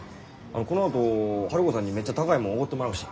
このあとハルコさんにめっちゃ高いもんおごってもらうし。